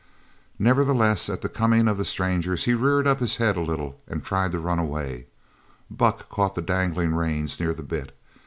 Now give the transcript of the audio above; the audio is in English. Nevertheless at the coming of the strangers he reared up his head a little and tried to run away. Buck caught the dangling reins near the bit.